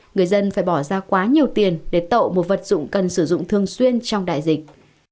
người dân phải bỏ ra quá nhiều tiền để tậu một vật dụng cần sử dụng thường xuyên trong đại dịch